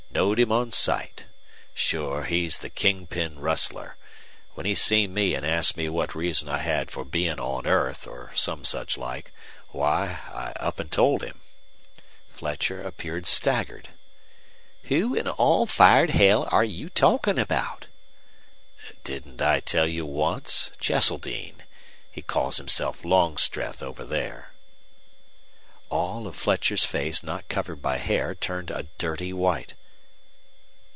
Knowed him on sight. Sure, he's the king pin rustler. When he seen me an' asked me what reason I had for bein' on earth or some such like why, I up an' told him." Fletcher appeared staggered. "Who in all fired hell air you talkin' about?" "Didn't I tell you once? Cheseldine. He calls himself Longstreth over there." All of Fletcher's face not covered by hair turned a dirty white.